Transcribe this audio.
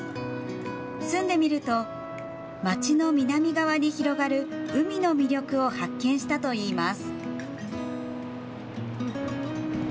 住んでみると街の南側に広がる海の魅力を発見したといいます。